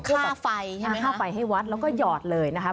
ค่าไฟใช่ไหมค่าไฟให้วัดแล้วก็หยอดเลยนะครับ